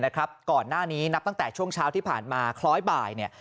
ก่อนหน้านี้นับตั้งแต่ช่วงเช้าที่ผ่านมาคล้อยบ่ายเนี่ย